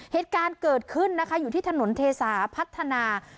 เหตุการณ์เกิดขึ้นนะคะอยู่ที่ถนนเทสาพัฒนา